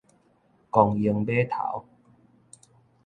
光榮碼頭